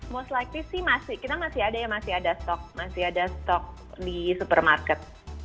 most likely sih masih kita masih ada ya masih ada stok di supermarket